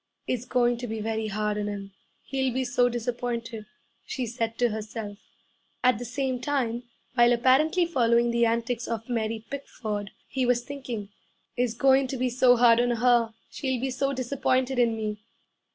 'It's going to be very hard on him; he'll be so disappointed,' she said to herself. At the same time, while apparently following the antics of Mary Pickford, he was thinking, 'It's going to be so hard on her! She'll be so disappointed in me!'